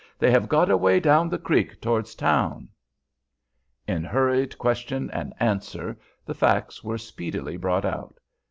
They have got away down the creek towards town." In hurried question and answer the facts were speedily brought out.